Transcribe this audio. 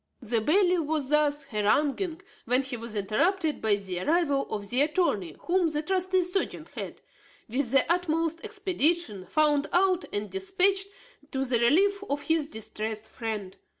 The bailiff was thus haranguing when he was interrupted by the arrival of the attorney whom the trusty serjeant had, with the utmost expedition, found out and dispatched to the relief of his distressed friend.